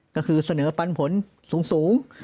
ก็คือเสนอปันผลสูง